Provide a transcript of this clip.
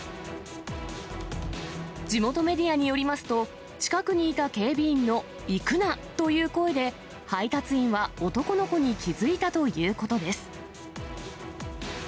地元メディアによりますと、近くにいた警備員の行くな！という声で、配達員は男の子に気付いたということです。